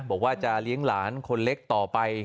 บอกว่าจะเลี้ยงหลานคนเล็กต่อไป